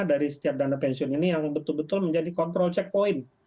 dari setiap dana pensiun ini yang betul betul menjadi kontrol checkpoint